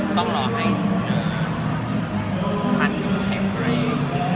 ต้องรอให้พันแห่งใคร